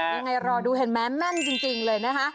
ยังไงรอดูเห็นไหมแม่นจริงเลยนะคะ